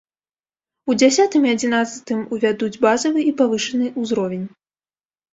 У дзясятым і адзінаццатым увядуць базавы і павышаны ўзровень.